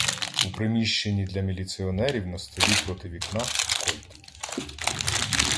У приміщенні для міліціонерів на столі проти вікна — "Кольт".